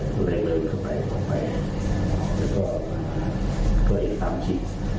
ก็เลยเดินเข้าไปออกไปแล้วก็ตัวเองตามคิด